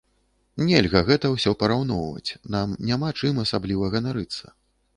Нельга гэта ўсё параўноўваць, нам няма чым асабліва ганарыцца.